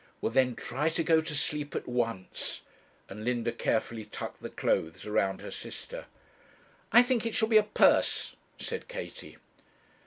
'Well, then, try to go to sleep at once' and Linda carefully tucked the clothes around her sister. 'I think it shall be a purse,' said Katie.